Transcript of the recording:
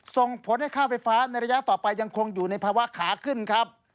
ส่งผลให้ค่าไฟฟ้าในระยะต่อไปยังคงอยู่ในภาวะขาขึ้นครับ